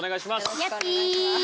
よろしくお願いします。